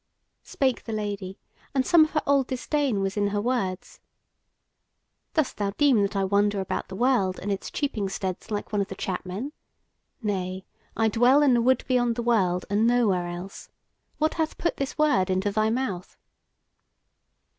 Spake the Lady, and some of her old disdain was in her words: "Dost thou deem that I wander about the world and its cheaping steads like one of the chap men? Nay, I dwell in the Wood beyond the World, and nowhere else. What hath put this word into thy mouth?"